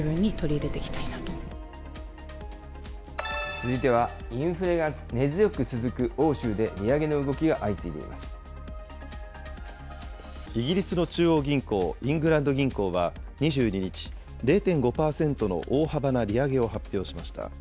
続いては、インフレが根強く続く欧州で、イギリスの中央銀行、イングランド銀行は２２日、０．５％の大幅な利上げを発表しました。